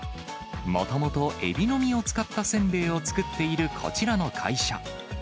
もともと、エビの身を使ったせんべいを作っているこちらの会社。